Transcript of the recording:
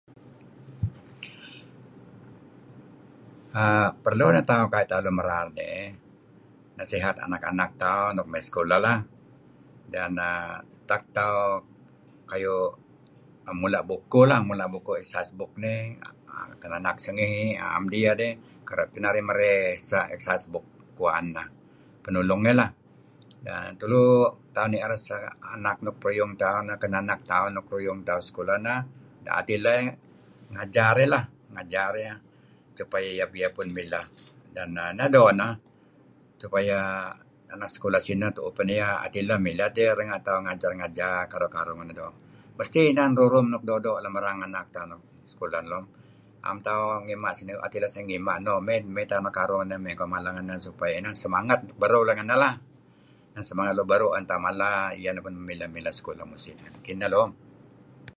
err Perlu neh tauh nuk tauh lun merar nih nasihat anak-anak tauh nuk mey sekulah lah iyeh neh tak tauh mula' bukuh exercise book nih kinanak sengi na'em diyeh dih, kereb teh narih merey sah exercise book wan neh, nulung iyeh lah. Tulu tauh ni'er sah anak nuk peruyung tauh kinanak tauh nuk peruyung sekulah neh ngen tauh da'et ileh eh, ngajar iyeh lah supaya iyeh piyuk mileh. Neh doo' neh, supaya anak sekulah sineh tu'uh pan iyeh da'et ileh ngajar iyeh supaya iyeh kereb mileh tiyeh renga; narih ngajar-ngajar nekaruh ngenah. Mesti inan rurum nuk doo' doo' lem erang anak tauh lem sekulah neh, am tauh ngima' 'at ileh iyeh, mey tauh nekaruh ngenah mey tauh mada' iyeh supaya iyeh inan semangat luk beruh 'an tauh mala iyeh neh mileh-mileh sekulah. Kineh lom,